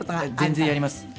全然やります。